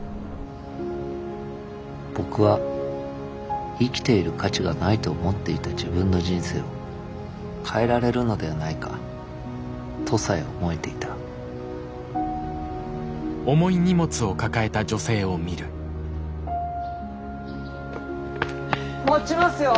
僕は生きている価値がないと思っていた自分の人生を変えられるのではないかとさえ思えていた持ちますよ！